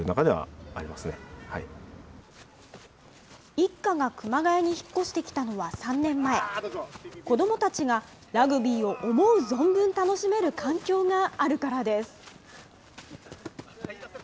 一家が熊谷に引っ越してきたのは３年前、子どもたちがラグビーを思う存分楽しめる環境があるからです。